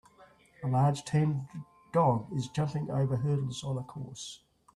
A large tan dog is jumping over hurdles on a course.